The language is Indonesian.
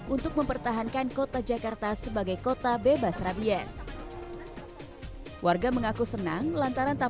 untuk mempertahankan kota jakarta sebagai kota bebas rabies warga mengaku senang lantaran tak